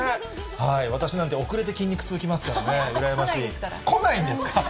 私なんて、遅れて筋肉痛きますからね、羨ましい。来ないんですか？